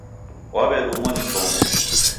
Wawelumwa ni chongo